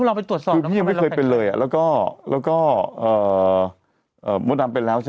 เขาจะขอเลือดพวกเราน่ะพี่หนุ่ม